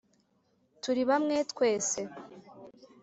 “turi bamwe twese.”